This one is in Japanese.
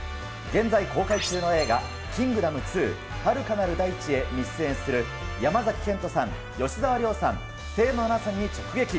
現在公開中の映画、キングダム２遥かなる大地へに出演する、山崎賢人さん、吉沢亮さん、清野菜名さんに直撃。